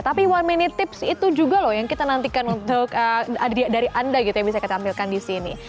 tapi one minute tips itu juga loh yang kita nantikan untuk dari anda gitu yang bisa kita tampilkan di sini